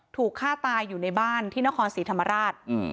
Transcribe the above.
ถูกฆ่าตายอยู่ในบ้านที่นครศรีธรรมราช